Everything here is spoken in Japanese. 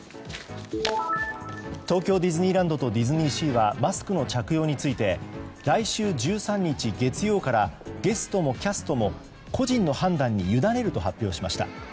東京ディズニーランドとディズニーシーはマスクの着用について来週１３日月曜からゲストもキャストも個人の判断に委ねると発表しました。